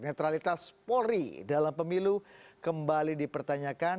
netralitas polri dalam pemilu kembali dipertanyakan